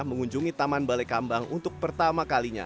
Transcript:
mengunjungi taman balekambang untuk pertama kalinya